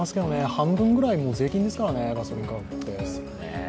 半分ぐらい税金ですからね、ガソリン価格って。